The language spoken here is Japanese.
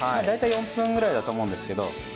だいたい４分くらいだと思うんですけど。